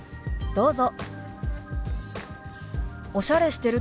どうぞ。